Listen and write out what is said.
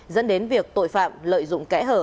dẫn đến việc tội phạm lợi dụng kẽ hở